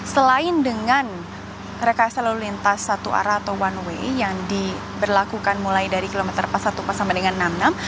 selain dengan rekayasa lalu lintas satu arah atau one way yang diberlakukan mulai dari kilometer empat ratus empat belas sampai dengan enam puluh enam